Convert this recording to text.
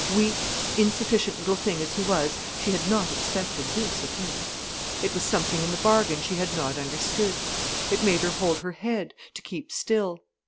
Weak, insufficient little thing as he was, she had not expected this of him. It was something in the bargain she had not understood. It made her hold her head, to keep still.